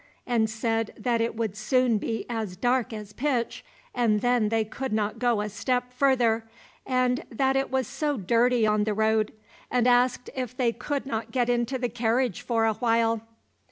and said that it would soon be as dark as pitch, and then they could not go a step further, and that it was so dirty on the road, and asked if they could not get into the carriage for a while.